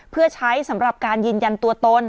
เพื่อใช้สำหรับการยืนยันตัวตน